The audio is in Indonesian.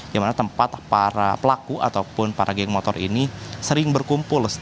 di mana tempat para pelaku ataupun para geng motor ini sering berkumpul